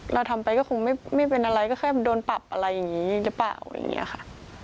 เราทำไปก็คงไม่เป็นอะไรก็แค่โดนปรับอะไรอย่างนี้หรือเปล่าอะไรอย่างนี้ค่ะ